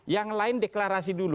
yang lain deklarasi dulu